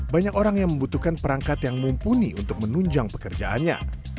banyak orang yang membutuhkan perangkat yang mumpuni untuk menunjang pekerjaannya